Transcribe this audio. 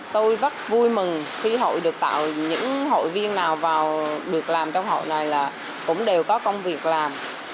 tôi rất vui mừng khi hội được tạo những hội viên nào vào được làm trong hội này là cũng đều có công việc làm